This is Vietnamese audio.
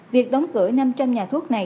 việc đóng cửa năm trăm linh nhà thuốc này